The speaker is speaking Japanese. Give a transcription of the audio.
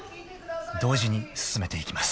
［同時に進めていきます］